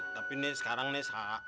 tapi nih sekarang nih